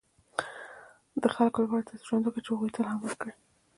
• د خلکو لپاره داسې ژوند وکړه، چې هغوی ته الهام ورکړې.